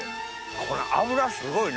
これ脂すごい。